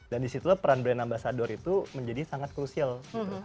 dan disitulah peran brand ambasador itu menjadi sangat krusial gitu